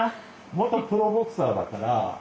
元プロボクサーだから。